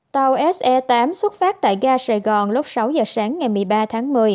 tàu se tám xuất phát tại ga sài gòn lúc sáu giờ sáng ngày một mươi ba tháng một mươi